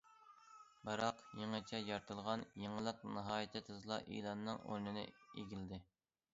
بىراق يېڭىچە يارىتىلغان يېڭىلىق ناھايىتى تېزلا ئېلاننىڭ ئورنىنى ئىگىلىدى.